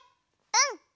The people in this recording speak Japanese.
うん！